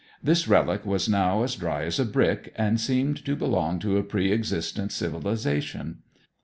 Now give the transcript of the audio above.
This relic was now as dry as a brick, and seemed to belong to a pre existent civilization.